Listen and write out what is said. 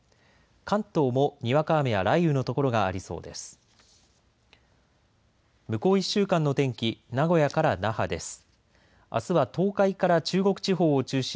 関東もにわか雨や雷雨の所がありそうです。